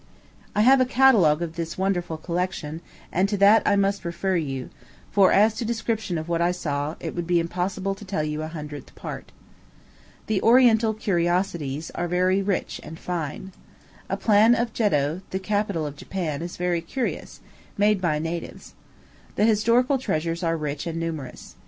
I have a catalogue of this wonderful collection, and to that I must refer you; for, as to description of what I saw, it would be impossible to tell you a hundredth part. The Oriental curiosities are very rich and fine. A plan of Jeddo, the capital of Japan, is very curious made by natives. The historical treasures are rich and numerous.